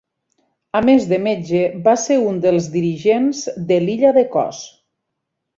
A més de metge, va ser un dels dirigents de l'illa de Cos.